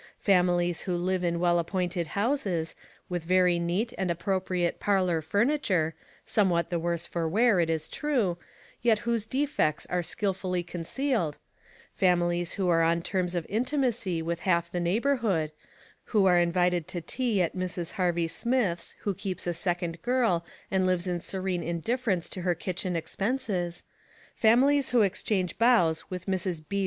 Fami lies who live in well appointed houses, with very neat and appropriate parlor furniture, somewhat the worse for wear, it is true, yet whose defects are skillfully concealed — families who are on terms of intimacy with half the neighborhood, who are invited to tea at Mrs. Harvey Smith's who keeps a second girl, and lives in serene in difference to her kitchen expenses — families who exchange bows with Mrs. B.